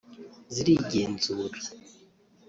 zirigenzura